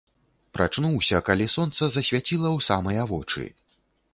Прачнуўся, калі сонца засвяціла ў самыя вочы.